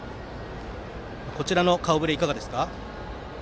こちらの顔ぶれはいかがですか。